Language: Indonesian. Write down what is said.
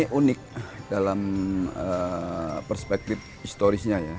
ini unik dalam perspektif historisnya ya